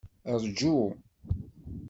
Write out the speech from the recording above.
Rju.